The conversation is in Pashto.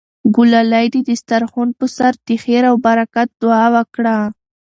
ګلالۍ د دسترخوان په سر د خیر او برکت دعا وکړه.